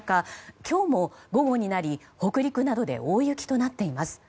今日も午後になり北陸などで大雪となっています。